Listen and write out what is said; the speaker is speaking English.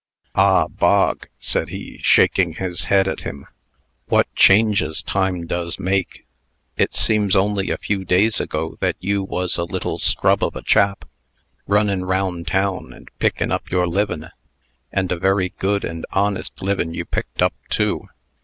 "Ah, Bog," said he, shaking his head at him, "what changes Time does make! It seems only a few days ago that you was a little scrub of a chap, runnin' 'round town and pickin' up your livin'. And a very good and honest livin' you picked up, too.